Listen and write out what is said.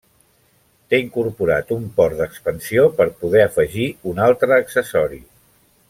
Té incorporat un port d'expansió per poder afegir un altre accessori.